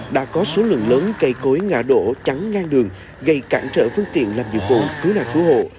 đã có số lượng lớn cây cối ngã đổ chắn ngang đường gây cản trở phương tiện làm dụng cụ cứu nạc cứu hộ